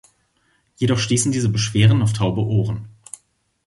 Jedoch stießen diese Beschwerden auf taube Ohren.